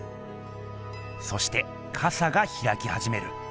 そしてかさがひらきはじめる。